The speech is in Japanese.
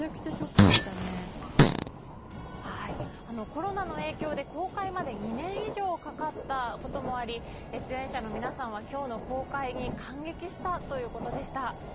コロナの影響で、公開まで２年以上かかったこともあり出演者の皆さんは今日の公開に感激したということでした。